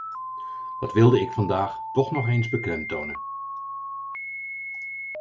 Dat wilde ik vandaag toch nog eens beklemtonen.